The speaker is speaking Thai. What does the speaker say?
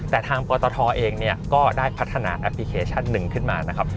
แต่ทางปตทเองเนี่ยก็ได้พัฒนาแอปพลิเคชันหนึ่งขึ้นมานะครับ